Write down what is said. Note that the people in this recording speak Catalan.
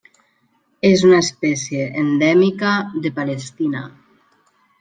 És una espècie endèmica de Palestina.